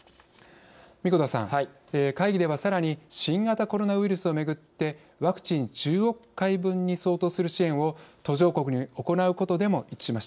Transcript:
神子田さん、会議ではさらに新型コロナウイルスをめぐってワクチン１０億回分に相当する支援を途上国にはい。